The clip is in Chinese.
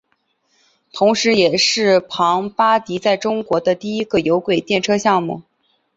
同时也是庞巴迪在中国的第一个有轨电车项目。